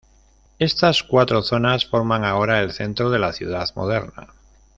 Estas cuatro zonas forman ahora el centro de la ciudad moderna.